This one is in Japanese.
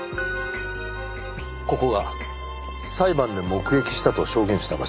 ここが裁判で目撃したと証言した場所です。